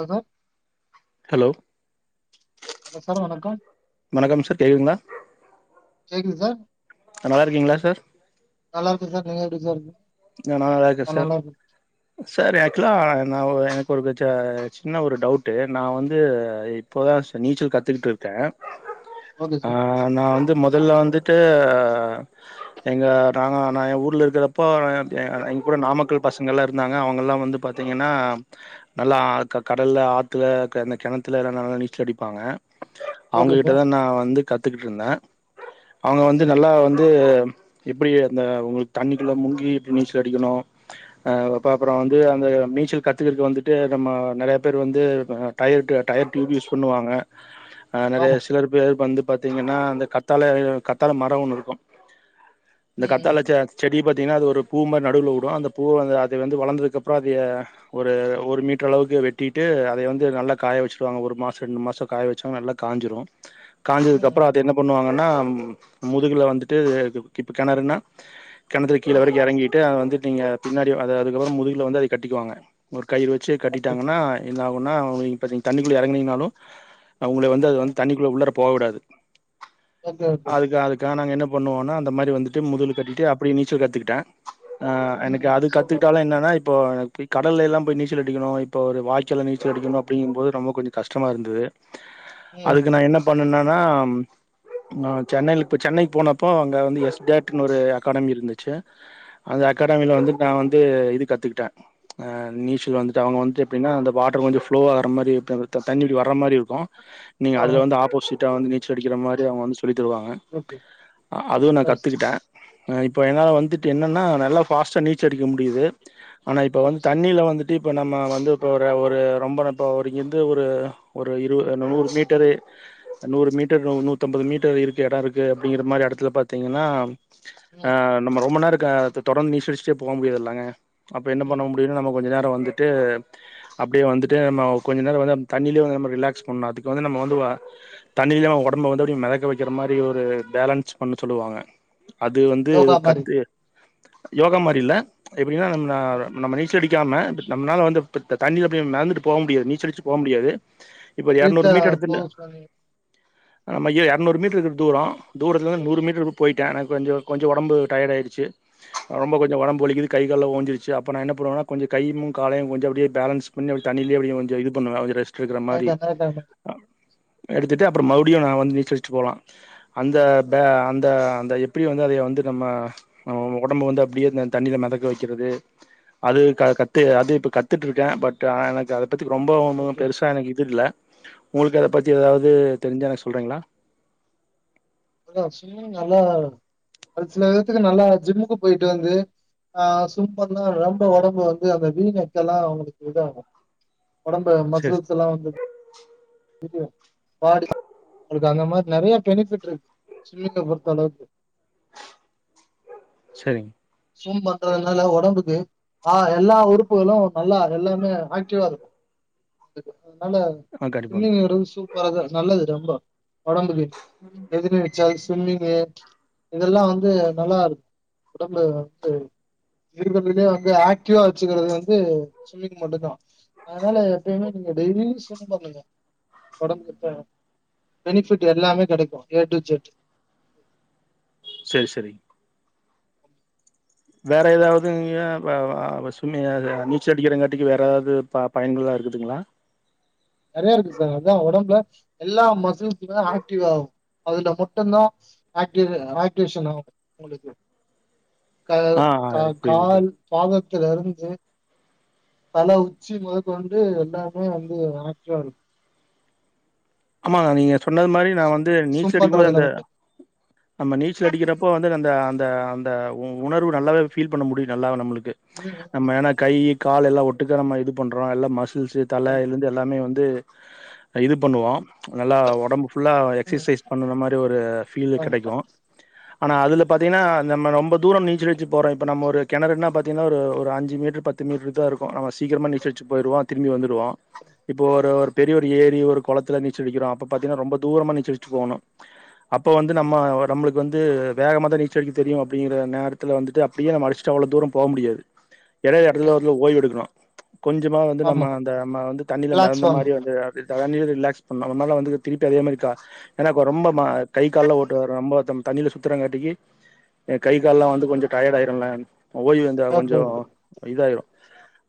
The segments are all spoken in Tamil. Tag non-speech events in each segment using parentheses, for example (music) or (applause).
அ சார் ஹலோ ஹலோ சார் வணக்கம் வணக்கம் சார் கேகுதுங்களா கேக்குது சார் நல்லா இருக்கீங்களா சார் நல்லா இருக்க சார் நீங்க எப்படி சார் ருக்கீங்க அ நா நல்லா இருக்கே சார் சார் எக்சுவலா நா எனக்கு ஒரு ச சின்ன ஒரு டவுட்டு நா வந்து இ இப்பதா சார் நீச்சல் கத்துக்கிட்டு இருக்கே ஓகே அ சார் நா வந்து முதல்ல வந்து டு எங்க நாங்க நா எ ஊர்ல இருக்கிறப்போ எ எ எங்கூட நாமக்கல் பசங்கள்லா இருந்தாங்க அவங்கலா வந்து பார்த்தீங்கன்னா நல்லா ஆ க கடல்ல ஆத்துல க கிணத்துல எல்லா நல்லா நீச்சல் அடிப்பாங்க அவங்க ஓகே சார் கிட்டதா நா வந்து கத்துக்கிட்டு இருந்தே அவங்க வந்து ஓகே நல்லா வந்து எப்டி அந்த உங்களுக்கு தண்ணிக்குள்ள முங்கி எப்படி நீச்சல் அடிக்கணு அ அப்ப அப்புற வந்து அந்த நீச்சல் கத்துக்கறக்கு வந்துட்டு நம்ம நெறய பேர் வந்து டயர்டு டயர் டியூப் யூஸ் பண்ணுவாங்க அ நெறைய ஆமா சிலர் பேர் வந்து பாரத்தீங்கன்னா அந்த கத்தால கத்தால மர ஒண்ணு இருக்கு ம் இந்த ம், கத்தால ச செடி பாத்தீங்கன்னா அது ஒரு பூ மாரி நடுவுல உடு அந்த பூவ வந்து அத வந்து வளர்ந்ததுக்கு அப்புற அதய ஒரு ஒரு மீட்டர் அளவுக்கு வெட்டிட்டு அதய வந்து நல்லா காய வச்சுருவாங்க ஒரு மாச ரெண்டு மாச காய வச்சாங்க நல்லா காஞ்சுரு (unintelligible) ம், காஞ்சதுக்கு ம், அப்புற அத என்ன பண்ணுவாங்கன்னா முதுகுல வந்துட்டு இப்ப கிணறுன்னா கிணத்துல கீழ ம், வரை ம். டு வந்து நீங்க பின்னாடி அது அதுக்கப்புற முதுகுல வந்து அதய கட்டிக்குவாங்க ஒரு கயிறு வச்சு ஓகே கட்டிட்டாங்கன்னா என்னாகுன்னா இப்ப தண்ணிக்குள்ள இறங்கனீங்னாலு அவுங்கள வந்து அது ஆ வந்து தண்ணிக்குள்ள உள்ளற போகவிடாது ஓகே ஓகே அதுக்கு அது கா நாங்க என்ன பண்ணுவோனா அந்த மாரி வந்துட்டு முதுகுல கட்டிட்டு அப்படிய நீச்ச கத்துக்கிட்டே ஆ ம் எனக்கு ம், அது சூப்பர் கத்துக்கிட்டாலு என்னன்னா இப்போ எனக்கு கடல எல்லா போய் நீச்சல் அடிக்கணு இப்ப ஒரு வாய்க்கால்ல நீச்சல் அடிக்கணு அப்படிங்கு போது ரொம்ப கொஞ்ச கஷ்டமா இருந்தது ம் அதுக்கு நா என்ன பண்ணுனன்னா ஆ சென்னையில இப்ப சென்னைக்கு போனப்போ அங்க வந்து எஸ் டேட் னு ஒரு அகாடமி இருந்துச்சு அந்த ஓகே அகாடமில வந்து நா வந்து இது கத்துக்கிட்டே ஆ நீச்சல் வந்துட்டு அவுங்க வந்துட்டு எப்டின்னா அந்த வாட்டர் கொஞ்சோ ஃப்ளோ ஆகிற மாரி இட்ட தண்ணி இப்டி வர்ற மாதிரி இருக்கு நீங்க ஆ ஆ அதுல வந்து ஆப்போசிட்டா வந்து நீச்சல் அடிக்கிற மாரி அவுங்க வந்து சொல்லித்தருவாங்க ஓகே அதுவு நா நல்லா இருக்கு கத்துக்கிட்டே ஹ் இப்போ என்னால வந்துட் டு என்னன்னா நல்லா ஃபாஸ்ட்டா நீச்சடிக்க முடியுது ஆனா இப்ப சார் ஓகே வந்து சார் தண்ணில வந்துட் டு இப்போ நம்ம வந்து இப்போ ஒரு ஒரு ரொம்ப நப்போ ஒரு எந்த ஊரு ஒரு இரு நூறு மீட்டரு நூறு மீட்டர் நூ நூத்தி அம்பது மீட்டர் இருக்கு எடோ இருக்கு அப்டிங்கிற மாரி எடத்துல பாத்தீங்கன்னா ஆ ம் நம்ம ரொம்ப நேரோ க தொடர்ந்து நீச்சலடுச்சுட்டே போ முடியாதுல்லங்க அப்ப என்ன ம் பண்ண ம். முடியுனு நம்ம கொஞ்ச நேர வந்துட்டு அப்டியே வந்துட்டு நம்ம கொஞ்ச நேர வந்து அப் தண்ணிலயே வந்து நம்ம ரிலாக்ஸ் பண்ணணு அதுக்கு வந்து நம்ம வந்து உவ தண்ணிலயே நம்ம ஒடம்பு வந்து அப்டியே மெதக்க வக்கிற மாரி ஒரு பேலன்ஸ் பண்ணு சொல்லுவாங்க அது வந்து யோகா மாதிரி கத்து யோகா மாரி இல்ல எப்டின்னா நம்ம நம்ம நீச்சல் அடிக்காம பட் நம்னான வந்து இப்ப தண்ணீர் அப்டியே மெதந்துட்டு போ முடியாது நீச்சலடுச்சு போ முடியாது இப்ப ஒரு பிரீத்த எரநூறு மீட்டர் எடத்துல க்ளோஸ் பண்ணி நம்மைய எரநூறு மீட்டருக்கு தூரோ தூரத்துல ஓகே இருந்து நூறு மீட்டர்க்கு போயிட்டே எனக்கு கொஞ்சோ கொஞ்சோ ஒடம்பு டயர்டு ஆயிருச்சு ரொம்ப கொஞ்ச ஒடம்பு வலிக்குது கை கால் ஓஞ்சிருச்சு அப்ப நா என்ன பண்ணுவேனா கொஞ்ச கைமு காலயு கொஞ்சோ அப்டியே பேலன்ஸ் கொஞ்சோ அப்டி தண்ணிலே அப்டி கொஞ்சோ இது பண்ணுவே கொஞ்சோ ரெஸ்ட் இருக்க நைட் மாரி நைட் மாதிரி அ எடுத்துட்டு அப்பறோ மறுடியு நா வந்து நீச்சலச்சிட்டு போலா அந்த ப அந்த அந்த எப்டி வந்து அதைய வந்து நம்ம நம்ம ஒடம்பு வந்து அப்டியே இந்த தண்ணில மெதக்க வக்கிறது அது க கத்து அது இப்ப கத்துட்டு இருக்கே பட் ஆனா எனக்கு அது பத்தி ரொம்பவுமு ஓகே பெருசா எனக்கு இது இல்ல உங்களுக்கு அத பத்தி எதாவ்து தெரிஞ்சா எனக்கு சொல்கிறீங்களா அதா ஸ்விம்மிங் நல்லா அது சில விதத்துக்கு நல்லா ஜிம்முக்கு போயிட்டு வந்து ஆ சூப்பர்னா ரொம்ப ஒடம்பு வந்து அந்த வீயெக்க ல்லா உங்களுக்கு இது ஆகு ஒடம்ப சேர் மசில்ஸ் எல்லா வந்து (unintelligible) பாடி உங்களுக்கு அந்த மாரி நெறைய பெனிஃபிட் ருக் ஸ்விம்மிங்க பொறுத்த அளவுக்கு சேரிங் ஸ்வும் பண்றதுனால ஒடம்புக்கு ஆ எல்லா உறுப்புகளு நல்லா எல்லாமே ஆக்டிவா இருக்கு அதனால ஆ கண்டிப்பாங்க ஸ்விம்மிங்கிறது சூப்பராது நல்லது ரொம்ப ஒடம்புக்கு ரெஜீனு யா ஸ்விம்மிங்கு இதெல்லா வந்து நல்லா இருக் ஒடம்புல வந்து இருக்குறதுலியே வந்து ஆக்டிவா வச்சுக்கிறது வந்து ஸ்விம்மிங் மட்டுதா அதனால எப்பயுமே நீங்க டெய்லியு ஸ்விம் பண்ணுங்க ஓடம்புக்கு பெனிஃபிட் எல்லாமே கெடைக்கு ஏ டு ஜெட் சேரி சேரி வேற ஏதாவது இங்க ப வ வ ஸ்விம்மி யது நீச்சல் அடிக்கிறங்காட்டிக்கு வேற எதாவது ப பயன்கள்லா இருக்குதுங்களா நெறைய இருக்கு சார் அதா ஒடம்புல எல்லா மசில்ஸ்லா ஆக்டிவ் ஆகு அதுல மட்டுதா ஆக்டிவ் ஆக்டிவேஷன் ஆகு உங்களுக்கு க ஆ ஆ கா புரியுது கால் புரியுது பாதத்துல இருந்து தல உச்சி மொதகொண்டு எல்லாமே வந்து எணக் காரு ஆமாங்க நீங்க சொன்னது மாரி நா ஸ்விம் வந்து நீச்சல் ஸ்விம் அடிக்கு போது பண்றதுல அந்த மட்டு நம்ம நீச்சல் அடிக்கிறப்போ வந்து அந்த அந்த அந்த உ உணர்வு நல்லாவே ஃபீல் பண்ண முடியு நல்லாவ நம்மளுக்கு நம்ம ஏன்னா கை கால் எல்லா ஒட்டுக்க நம்ம இது பண்றோ எல்லா ம மசில்ஸ் தல இருந்து எல்லாமே வந்து இது பண்ணுவோ நல்லா ஒடம்பு புல்லா எக்சசைஸ் பண்ணுன மாரி ஒரு ஃபீல் கெடைக்கு ஆனா அதுல பாத்தீங்கனா நம்ம ரொம்ப தூர நீச்சல் அடிச்சு போறோ இப்ப நம்ம ஒரு கெணறுன்னா பாத்தீங்கனா ஒரு அஞ்சு மீட்டர் ப து மீட்டர் தா இருக்கு நம சீக்கிரமா நீச்சல் அடிச்சு போயிடுவோ திரும்பி வந்துடுவோ இப்போ ஒரு ஒரு பெரிய ஒரு ஏரி ஒரு குளத்துல நீச்சல் அடிக்கிறோ அப்ப பாத்தீங்கன்னா ரொம்ப தூரமா நீச்சல் அடிச்சுட்டு போகணு அப்போ வந்து நம்ம நம்மளுக்கு வந்து வேகமா தா நீச்சல் அடிக்க தெரியு அப்படிங்கிற நேரத் ல வந்துட்டு அப்டியே நம்ம அடிச்சுட்டு அவ்வளவு தூர போக முடியாது இடைல இடத்துல வந்து ஓவ்ய் எடுக்கணு கொஞ்சமா வந்து ஆமா நம்ம அந்த நம்ம வந்து தண்ணில ரிலாக்ஸ் கலந்த பண்ணு மாரி வந்து தண்ணில ரிலாக்ஸ் பண்ணு அந்த மாரிலா வந்து திருப்பி அதே மாரி கா ஏனா இப்போ ரொம்ப கை கால்லா ஒட்டு ரொம்ப தண்ணில சுத்துறங்காட்டிக்கு ஏ கை கால்லா வந்து கொஞ்ச டயர்ட் ஆயிருல ஓய்வு இருந்தா கொஞ்ச ஓகே ஓகே இதாயிரு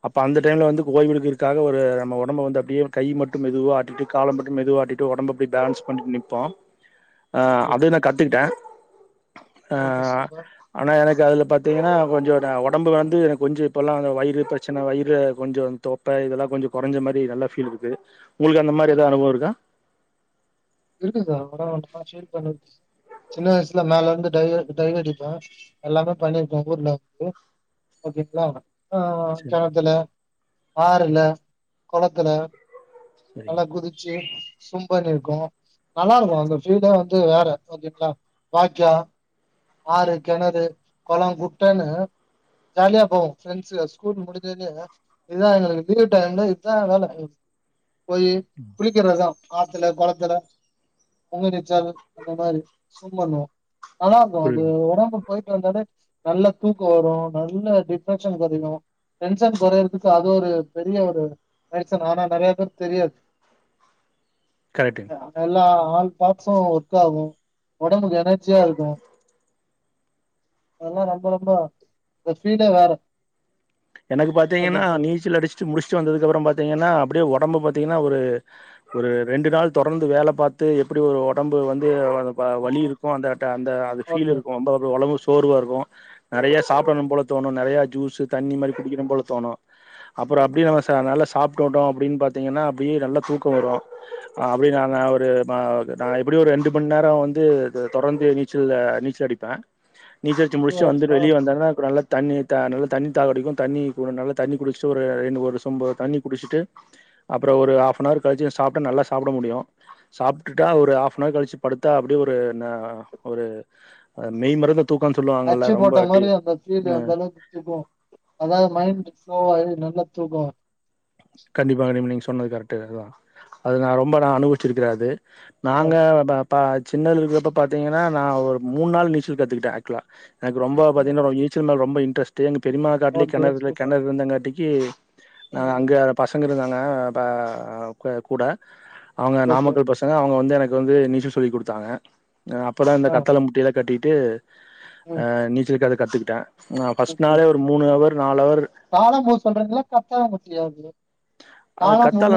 அப்ப அந்த டைம்ல வந்து ஓய்வு எடுக்கறதுக்காக ஒரு நம்ம உடம்பு வந்து அப்டியே கை மட்டு மெதுவா ஆட்டிட்டு கால மட்டு மெதுவா ஆட்டிட்டு ஓடம்பு அப்டியே பேலன்ஸ் பண்ணிட்டு நிப்போ ஓகே அது கத்துக்கிட்டே ஓகே சூப்பர் அ ஆனா எனக்கு அதுல பாத்தீங்கனா கொஞ்ச உடம்பு வந்து எனக்கு கொஞ்ச இப்போல்லா அந்த வயிறு பிரச்சன வயிறு கொஞ்சோ தொப்ப இதெல்லா கொஞ்ச கொறஞ்ச மாரி நல்லா பீல் இருக்கு உங்ளுக்கு அந்த மாரி ஏதா அனுபவ இருக்கா இருக்கு சார் (unintelligible) சின்ன வயசுல மேல இருந்து டைவு டைவு அடிப்பே எல்லாமே பண்ணிருக்கே ஊர்ல வந்து ஓகேங்களா ஆ சரி கெணத்துல ஆறுல குளத்துல சரி நல்லா குதிச்சு ஸ்விம் பண்ணிருக்கோ நல்லாருக்கு அந்த ஃபீல்டே வந்து வேற வந்தீங்களா வாக்யா ஆறு கிணறு கொள குட்டன்னு ஜாலியா போகு பிரண்ட்ஸ் ஸ்கூல் முடிஞ்சோடனையே இதா எங்களுக்கு லீவ் டைம்ல இதுதா வேல எங்களுக்கு போயி குளிக்கர்தா ஆத்துல கொளத்துல (unintelligible) நீச்சல் அந்த மாரி ஸ்விம் பண்வோ நல்லா இருக்கு அது புரியுது ஒடம்பு போயிட்டு வந்தோனே நல்ல தூக்க வரு நல்ல டிப்ரெக்ஷன் குறையு டென்ஷன் கொறையறதுக்கு அது ஒரு பெரிய ஒரு மெடிஷன் ஆனா நெறைய பேருக்கு தெரியாது கரெக்ட்டு நல்லா ஆள் பாட்ஸ்ஸூ ஒர்க் ஆகு ஒடம்புக்கு எனர்ஜியா இருக்கு அதல்லா ரொம்ப ரொம்ப அந்த ஸ்பீடே வேற எனக்கு மீன பாத்தீங்கனா பொறுத்தளவு நீச்சல் அடிச்சிட்டு முடிச்சு வந்ததுக்கு அப்புறோ பாத்தீங்கனா அப்டியே ஒடம்ப பாத்தீங்கனா ஒரு ஒரு ரெண்டு நாள் தொடர்ந்து வேல பாத்து எப்டி ஒரு ஒடம்பு வந்து வலி இருக்கு அந்த டே அந்த அது ஃபீல் ஓகே இருக்கு ரொம்ப அ ஒறழவு சோர்வாருக்கோ நெறைய சாப்படணு போல தோணு நெறைய ஜூஸீ தண்ணி மாரி குடிக்கணு போல தோணு அப்புறோ அப்டியே நம்ம அ நல்லா சாப்டுட்டோ அப்டின்னு பாத்தீங்கனா அப்டியே நல்லா தூக்க வரு அப்டியே நாங்க ஒரு மா ஒரு அ எப்டியு ஒரு ரெண்டு மண்ணேரம் வந்து தொடர்ந்து நீச்சல் நீச்சல் அடிப்பே நீச்சலடிச்சி டூ முடிச்சு ஹவர்ஸ் வந்து வெளிய பர்ஸ் வந்தானா நல்லா தண்ணி நல்ல தண்ணி தாகடிக்கு தண்ணி ஒரு நல்லா தண்ணி குடிச்ட்டு ஒரு இன்னு ஒரு சொம்பு தண்ணி குடிச்ட்டு அப்புறோ ஒரு ஹாஃப்னவர் கழிச்சு சாப்டா நல்லா சாப்ட முடியு சாப்ட்டுட்டா ஒரு ஹாஃப்னவர் கழிச்சு படுத்தா அப்டியே ஒரு ந ஒரு மெய் மறந்து அச்சு போட்ட மாரி அந்த ஃபீலு அந்த அளவுக் சுகோ அதனால மைண்ட்டு ஸ்லோ ஆயிடு நல்லா தூக்க வரு கண்டிப்பா நீங் நீங்க சொன்னது கரெக்ட்டு அதா அது நா ரொம்ப நா அனுவிச்சிருக்குறே அது அதா நாங்க அதா பே ப சின்னதுல இருக்கிறப்ப பாத்தீங்கனா நா ஒரு மூண் நாள் நீச்சல் கத்துக்கிட்டே ஆக்சுவலா எனக்கு ரொம்ப பாத்தீங்கனா அ நீச்சல் மேல ரொம்ப இன்ரெஸ்ட்டு எங்க பெரிம்மா காட்லே ஓகே கெணறுல சூப்பர் கெணறு இருந்தங் காட்டிக்கி ஆ அங்க பசங்க இருந்தாங்க பே அ கூட அவ்ங்க ஓகே நாமக்கல் பசங் அ அவ்ங்க வந்து எனக்கு வந்து நீச்சல் சொல்லி குடுத்தாங்க அ அப்பதா இந்த ஆ ஆ கத்தளா மூட்டையலா கட்டிட்டு ஆ ம் நீச்சலுக்கு அத கத்துக்கிட்டே நா ஃபஸ்ட் நாளே ஒரு மூணு அவர் நாலு அவர் தாழம் பூ சொல்றீங்களா கத்தாழம் பூ ஃப்ரீயா இருக்குது அது கத்தாழ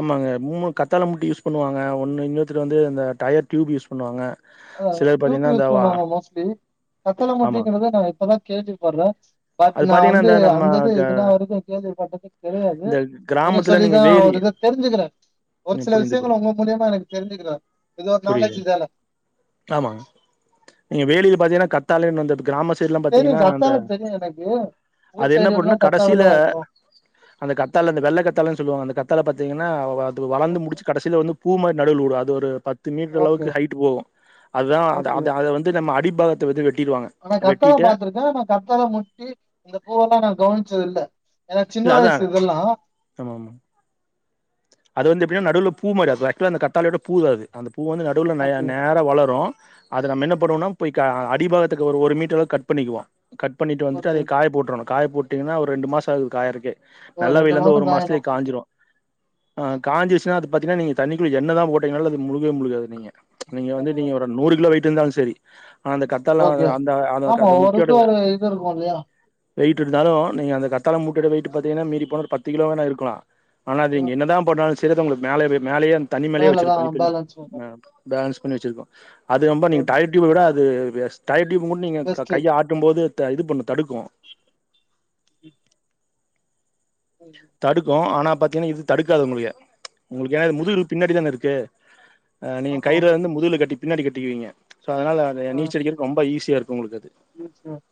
ஆமாங்க மூணு கத்தாழ முட்டு யூஸ் பண்ணுவாங்க ஒன்னு இன்னொருத்தர் வந்து இந்த டயர் ட்டியூப் யூஸ் பண்ணுவாங்க அதா அதா சிலர் ட்டியூப் பாத்தீங்கன்னா இந்த யூஸ் பண்ணுவாங்க மோஸ்ட்லி கத்தாழ ஆமா மூட்டைங்கிறத நா இப்பதா கேள்வி பட்றே பட் அது நா பாத்தீங்கன்னா வந்து இந்த நம்ம அந்தது இதுனா வரைக்கு கேள்விப்பட்டதேக் கெடையாது இந்த நீங்க கிராமத்துல சொல்லிதா வேலி ஒரு இத தெரிஞ்சுக்கிறே ஒரு சில புரிந்து விஷ்யங்கள் புரியுது ஒங்க மூலியமா எனக்கு தெரிஞ்சுக்கிற இது ஒரு நாலேஜு தான ஆமா நீங்க வேலிய பாத்தீங்கனா கத்தாழனு வந்துட்டு கிராம சை சைட்லா தெரியு பாத்தீங்கனா அந்த கத்தாழ தெரியு எனக்கு அது ஊர் என்ன சைடு எல்லா பண்ணுனா கத்தாழ கடசில தா இருக்கு அந்த கத்தாழ அந்த வெள்ள கத்தாழன்னு சொல்லுவாங்க அந்த கத்தாழ பாத்தீங்கனா வ அது வளந்து முடிச்சு கடைசில வந்துப் பூ மாரி நடுவுல விடு அது ஒரு பத்து மீட்ரு ஓகே அளவுக்கு ஹைட்டு போகு அது தா அந்த ஓகே அந்த அத வந் து நம்ம அடிப்பாகத்த வந்து வெட்டிருவாங்க ஆனா கத்தாழ பாத்திருக்கே ஆனா கத்தாழ முட்டி இந்த பூவெல்லா நா கவனிச்சது இல்ல என்னோட சின்ன வயசு இதெல்லா ஆமாம்மா அது வந்து எப்டினா நடுவுல பூ மாரி அது ஆக்சுவலா அந்த கத்தாழையோட பூ தா அது அந்த பூ வந்து நடுவுல நல்லா ஓகே நேர வளரு அத நம்ம என்ன பண்ணுவோனா போய் கா அடிபாகத்துக்கு ஒரு ஒரு மீட்டர் அளவுக்கு கட் பண்ணிக்குவோ கட் பண்ணிட்டு வந்துட்டு ஓகே அதையே காய போட்றனு காய போட்டீங்கனா ஒரு ரெண்டு மாச ஆகு அது காயருக்கே ஓ நல்லா ரெண்டு வெயிலா இருந்த மாசோ ஒரு காயணு மாசத்துலே ஓகே காய்ஞ்சிரு ஆ காஞ்சிர்சினா அது பாத்தீங்னா நீங்க தண்ணிக்குள்ள என்ன தா போட்டீங்கனாலு அது முழுகவே முழுகாது நீங்க நீங்க வந்து நீங்க வ இப்ப நூறு கிலோ வெய்ட் இருந்தாலு சேரி ஆனா இந்த கத்தாழ ஓகே அந்த அந்த க ஆமா க முட்டையோட ஒவ்வொருக்கு ஒரு இது இருக்கு இல்லையா வெயிட் இருந்தாலு நீங்க அந்த கத்தாழ மூட்டையோட வெயிட்டு பாத்தீங்கனா மீறி போன ஒரு பத்து கிலோவேனா இருக்கலா இத இங்க என்னதா போட்டாலு சேரி அது உங்களுக்கு மேலவே மேலயே அந்த தண்ணி மேலயே மேலதா வெச்சிருக்கு வழி பண்ணி பேலன்ஸ் வரு பேலன்ஸ் பண்ணி வச்சிருக்கு அது ரொம்ப நீங்க ஓகே டயர் ட்டியூப்ப விட அது எஸ் டயர் ட்டியூப்ப மட்டு நீங்க க பெஸ்ட்டு கைய ஆட் ட்டும் போது த இது பண்ணு தடுக்கு உம் தடுக்கு ஆனா பாத்தீங்கனா இது தடுக்காது உங்களுக்கு உங்களுக்கு ஏனா இது முதுகுல பின்னாடி தான இருக்கு அ நீங்க ஆமா கயிற ஆமா வந்து முதுகுல கட்டி பின்னாடி கட்டிக்குவீங்க சோ அதனால அது நீச்சலடிக்கிறதுக்கு ரொம்ப ஈஸியா இருக்கு உங்களுக்கு அது எஸ் சார்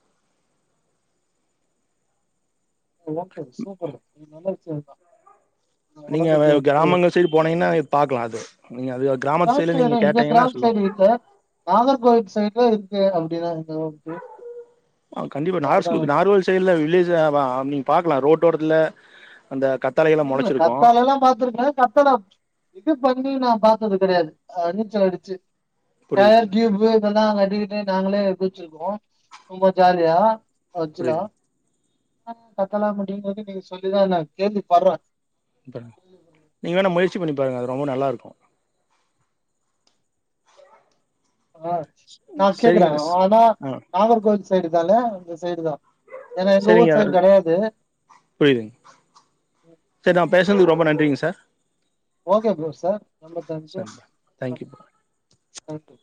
எல்லா பிரச்னைக்கொரு இது நல்ல விஷ்யந்தா நீங்க கிராமங்கள் சைடு போனீங்கனா பாக்கலா அது நீங்க அது அது கிராம சைடு எங்க கிராம சைடு இல்ல நாகர்கோவில் சைடுல இருக்கு அப்டினா எந்தளவுக்கு ஆ கண்டிப்பா நாகர் ஸ்கூலுக்கு நாகர்கோயில் சைடுல வில்லேஜ்ல வா நீங்க பாக்கலா ரோட்டோரத்துல அந்த கத்தாழய இல்ல கத்தாழைலா பாத்திருக்கே கத்தாழ இது பாத்தீங்னா நா பாத்தது கெடையாது அ நீச்சல் அடிச்சு புரியுது டயர் புரியுது டியூப்பு இதெல்லா கட்டிக்கிட்டு நாங்களே குதிச்சிருக்கோ ரொம்ப ஜாலியா ஆச்சுவலா புரியுது கத்தால முடி (unintelligible) நீங்க சொல்லிதான் நான் கேள்வி படுறேன் நீங்க வேணா முயற்சி பண்ணி பாருங்க அது ரொம்ப நல்லா இருக்கும் ஆ நா சரிங்க கேக்குறேன் ஸ் ஆனா ஆ நாகர்கோவில் சைடு தால அந்த சைடு தான் ஏன்னா எங்க ஊர் சரிங்க சைடு கிடையாது புரியுதுங்க சேரி நா பேசுனதுக்கு ரொம்ப நன்றிங்க சார் ஓகே ப்ரோ சார் ரொம்ப தேங்க் யூ சரி பாய் தேங்க்யூ தேங்க் யூ